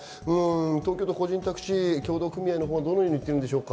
東京都個人タクシー協同組合はどう言っているんでしょうか。